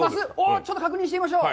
ちょっと確認してみましょう。